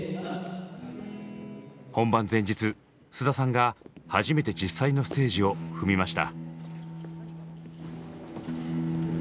本番前日菅田さんが初めて実際のステージを踏みました。